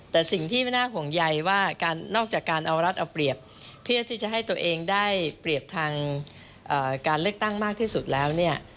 แต่สิ่งที่ไม่น่าห่วงใยว่าการนอกจากการเอารัฐเอาเปรียบเพื่อที่จะให้ตัวเองได้เปรียบทางการเลือกตั้งมากที่สุดแล้วเนี่ย